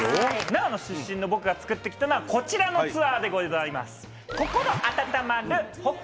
長野出身の僕がつくってきたのはこちらのツアーでございます！